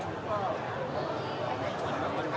สวัสดีครับ